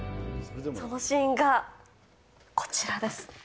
そのシーンが、こちらです。